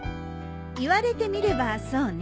言われてみればそうね。